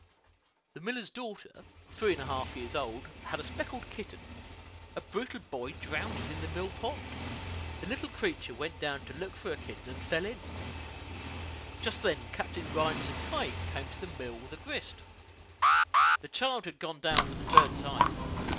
The miller's daughter, three years and a half old, had a speckled kitten; a brutal boy drowned it in the mill pond. The little creature went down to look for her kitten, and fell in. Just then Captain Rhines and Tige came to the mill with a grist. The child had gone down for the third time.